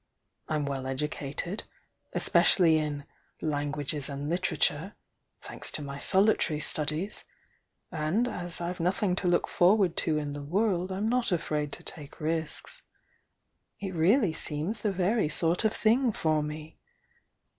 I'm well educated especially in 'languages and literature,' tnanks to my sohtaiy studies,— and as I've nothing to look for ward to m the world I'm not afraid to take risks. It really seems the very sort of thing for me!